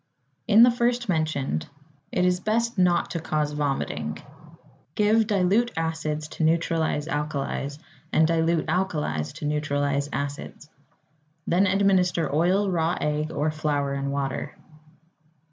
In the first mentioned, it is best not to cause vomiting. Give dilute acids to neutralize alkalis, and dilute alkalis to neutralize acids. Then administer oil, raw egg, or flour and water.